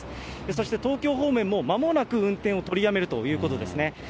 そして、東京方面もまもなく運転を取りやめるということですね。